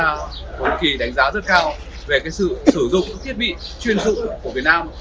và có một kỳ đánh giá rất cao về sự sử dụng thiết bị chuyên dự của việt nam